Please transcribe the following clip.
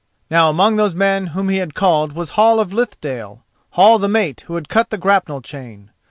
Now among those men whom he called was Hall of Lithdale, Hall the mate who had cut the grapnel chain.